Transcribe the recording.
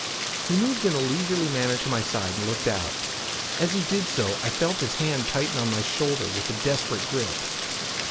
He moved in a leisurely manner to my side and looked out. As he did so I felt his hand tighten on my shoulder with a desperate grip.